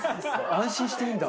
安心していいんだ。